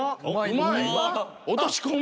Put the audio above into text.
うまい。